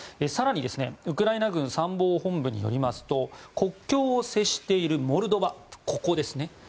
更に、ウクライナ軍参謀本部によりますと国境を接しているモルドバここですね。